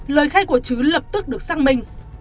lời khai của trứ lập tức được xác minh